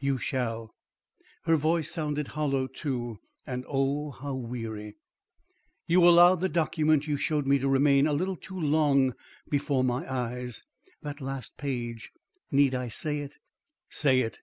"You shall." Her voice sounded hollow too and oh, how weary! "You allowed the document you showed me to remain a little too long before my eyes. That last page need I say it?" "Say it."